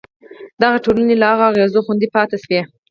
دغه ټولنې له هغو اغېزو خوندي پاتې شوې.